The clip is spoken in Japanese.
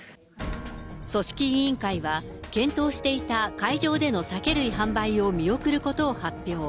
組織委員会は、検討していた会場での酒類販売を見送ることを発表。